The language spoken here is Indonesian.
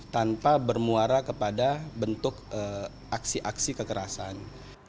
tanpa bermuara kepada bentuk aksi aksi kekerasan